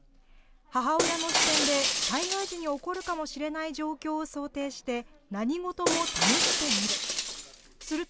母親の視点で災害時に起こるかもしれない状況を想定して、何事も試してみる。